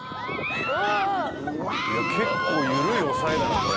結構緩い押さえだなこれ。